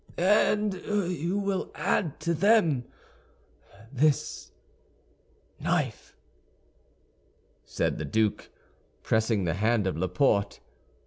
"And you will add to them this knife," said the duke, pressing the hand of Laporte.